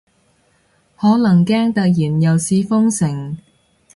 可能驚突然又試封城